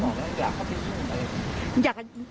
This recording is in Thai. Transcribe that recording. มันบอกว่าอยากเข้าที่สูงเลย